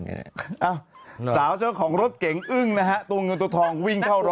สาวเจ้าของรถเก๋งอึ้งนะฮะตัวเงินตัวทองวิ่งเข้ารถ